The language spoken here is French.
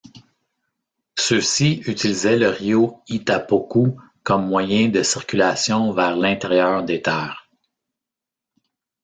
Ceux-ci utilisaient le rio Itapocu comme moyen de circulation vers l'intérieur des terres.